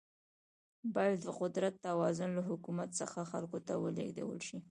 باید د قدرت توازن له حکومت څخه خلکو ته ولیږدول شي.